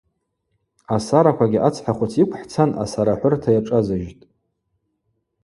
Асараквагьи ацхӏахвыц йыквхӏцан асарахӏвырта йашӏазыжьтӏ.